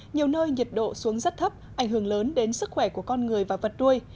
nhiều nơi nhiệt độ xuống rất thấp ảnh hưởng lớn đến sức khỏe của con người và vật nuôi